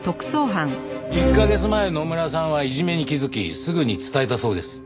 １カ月前野村さんはいじめに気づきすぐに伝えたそうです。